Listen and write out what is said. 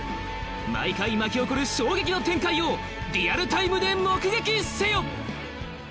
毎回巻き起こる衝撃の展開をリアルタイムで目撃せよ！